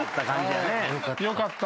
よかった。